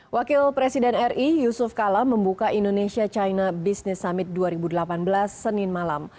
wakil presiden ri yusuf kala membuka indonesia china business summit dua ribu delapan belas senin malam